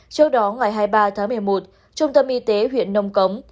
trước đó ngày hai mươi ba tháng một mươi một trung tâm y tế huyện nông cống